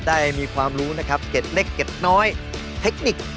ได้มีความรู้นะครับเก็ดเล็กเด็ดน้อยเทคนิค